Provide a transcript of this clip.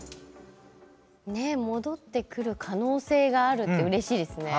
戻ってくる可能性があるとうれしいですよね。